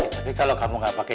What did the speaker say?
tapi kalau kamu nggak pakai